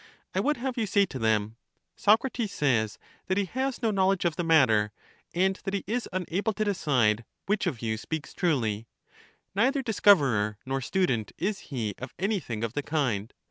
I vi^ould have you say to them: Socrates says that he has no knowledge of the matter, and that he is unable to decide which of you speaks truly; neither discov erer nor student is he of anything of the kind.